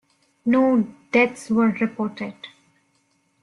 No deaths were reported.